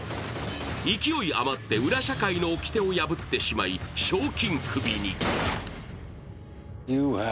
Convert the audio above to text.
勢い余って、裏社会のおきてを破ってしまい賞金首に。